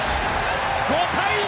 ５対２！